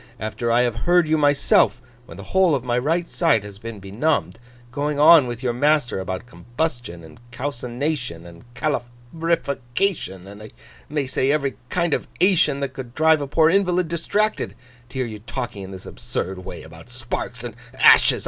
After I have heard you myself, when the whole of my right side has been benumbed, going on with your master about combustion, and calcination, and calorification, and I may say every kind of ation that could drive a poor invalid distracted, to hear you talking in this absurd way about sparks and ashes!